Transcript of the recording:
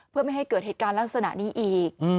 เพื่อไม่ให้เกิดเหตุการณ์ลักษณะนี้อีก